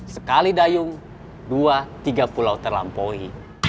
sekali dayung dua tiga pulau terlampaui